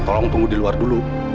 tolong tunggu di luar dulu